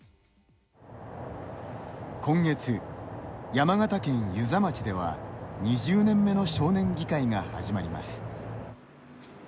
今月、山形県遊佐町では２０年目の少年議会が始まります。